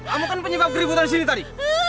apa kan penyebab keributan di sini tadi